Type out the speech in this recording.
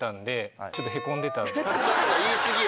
言い過ぎよ。